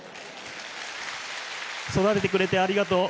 育ててくれて、ありがとう。